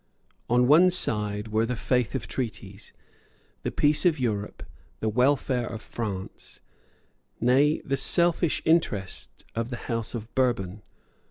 On one side were the faith of treaties, the peace of Europe, the welfare of France, nay the selfish interest of the House of Bourbon.